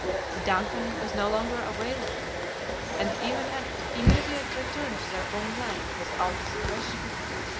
The DUNCAN was no longer available, and even an immediate return to their own land was out of the question.